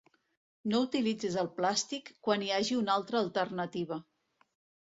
No utilitzis el plàstic quan hi hagi una altra alternativa.